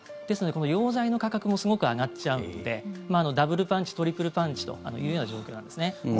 ですのでこの溶剤の価格もすごく上がっちゃうのでダブルパンチ、トリプルパンチというような状況なんです。